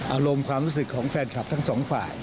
อารมณ์ความรู้สึกของแฟนคลับทั้งสองฝ่าย